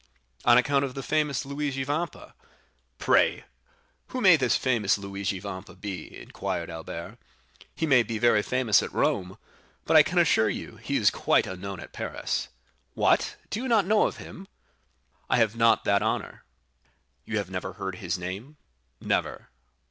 "On account of the famous Luigi Vampa." "Pray, who may this famous Luigi Vampa be?" inquired Albert; "he may be very famous at Rome, but I can assure you he is quite unknown at Paris." "What! do you not know him?" "I have not that honor." "You have never heard his name?" "Never."